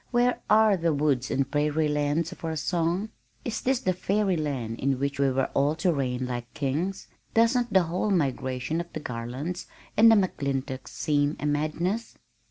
Where are the 'woods and prairie lands' of our song? Is this the 'fairy land' in which we were all to 'reign like kings'? Doesn't the whole migration of the Garlands and McClintocks seem a madness?"